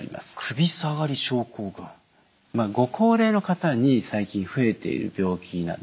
ご高齢の方に最近増えている病気なんですね。